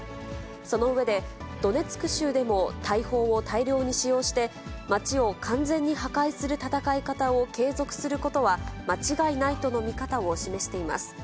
その上で、ドネツク州でも大砲を大量に使用して、街を完全に破壊する戦い方を継続することは間違いないとの見方を示しています。